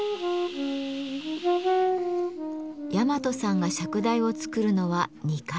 山戸さんが釈台を作るのは２回目。